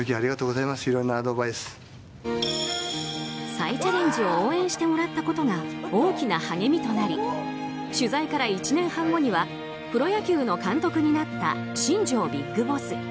再チャレンジを応援してもらったことが大きな励みとなり取材から１年半後にはプロ野球の監督になった新庄ビッグボス。